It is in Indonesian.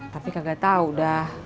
tapi kagak tau dah